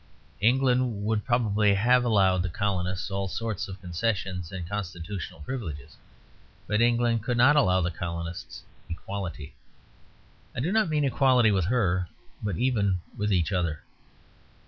England would probably have allowed the colonists all sorts of concessions and constitutional privileges; but England could not allow the colonists equality: I do not mean equality with her, but even with each other.